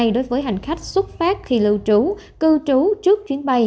đối với hành khách xuất phát khi lưu trú cư trú trước chuyến bay